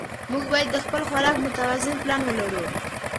موږ باید د خپل خوراک متوازن پلان ولرو